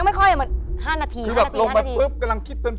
ลงมานี่เพิ่มพึ่งกำลังคิดเป็น